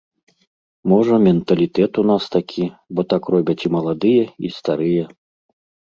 Можа, менталітэт у нас такі, бо так робяць і маладыя, і старыя.